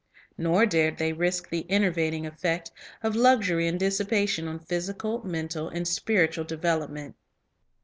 Nor dared they risk the enervating effect of luxury and dissipation on physical, mental, and spiritual development.